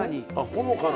ほのかな。